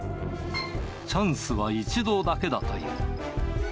チャンスは一度だけだという。